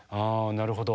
なるほど。